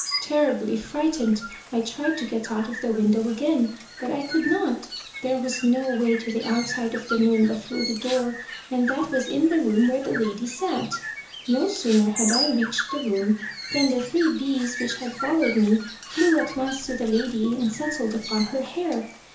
Terribly frightened, I tried to get out of the window again, but I could not: there was no way to the outside of the moon but through the door; and that was in the room where the lady sat. No sooner had I reached the room, than the three bees, which had followed me, flew at once to the lady, and settled upon her hair.